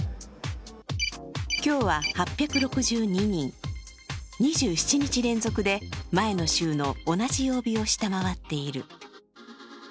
今日は８６２人、２７日連続で前の週の同じ曜日を下回っている。